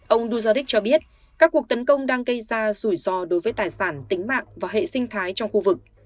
ông duzaric cho biết các cuộc tấn công đang gây ra rủi ro đối với tài sản tính mạng và hệ sinh thái trong khu vực